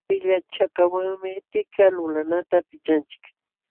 Pillachakaqwanmi tika lulanata pichanchik.